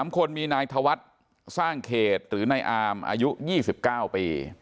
๓คนมีนายธวัฒน์สร้างเขตหรือนายอามอายุ๒๙ปี